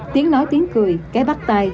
tiếng nói tiếng cười cái bắt tay